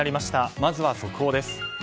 まずは速報です。